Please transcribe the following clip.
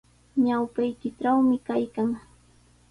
Ñawpaykitrawmi kaykan.